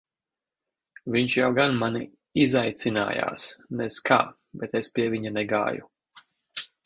Viņš jau gan mani izaicinājās nez kā, bet es pie viņa negāju.